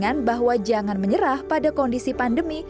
ibu akan mengandalkan pandangan bahwa jangan menyerah pada kondisi pandemi